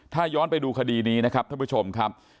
ถ้าย้อนไปดูคดีนี้นะครับท่านผู้ชมครับ